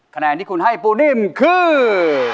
คะแนนที่คุณให้ปูนิ่มคือ